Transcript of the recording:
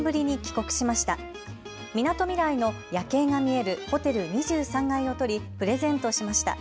みなとみらいの夜景が見えるホテル、２３階をとりプレゼントしました。